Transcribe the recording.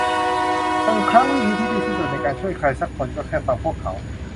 บางครั้งวิธีที่ดีที่สุดในการช่วยใครซักคนก็แค่ฟังพวกเขา